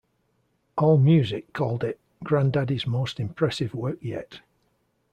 AllMusic called it "Grandaddy's most impressive work yet".